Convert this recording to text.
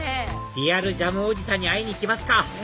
リアルジャムおじさんに会いに行きますか！